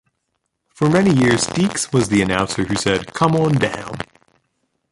For many years Deeks was the announcer who said Come on Down!